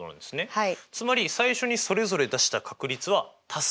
はい。